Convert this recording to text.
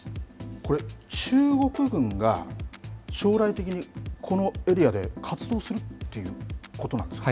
これ中国軍が将来的にこのエリアで活動するということなんですか。